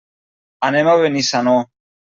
Anem a Benissanó.